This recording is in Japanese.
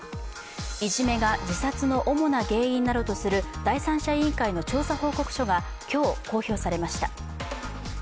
いじめが自殺の主な要因などとする第三者委員会の調査報告書が今日、公表されました。